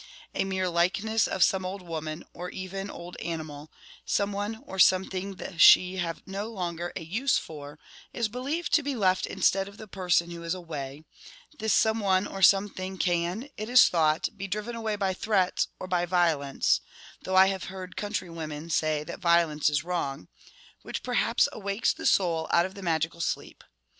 A mere likeness of some old woman, or even old animal, some one or some thing the Sidhe have no longer a use for, is believed to be left instead of the person who is 'away;' this some one or some thing can, it is thought, be driven away by threats, or by violence (though I have heard country women say that violence is wrong), which 80 perhaps awakes the soul out of the magical sleep.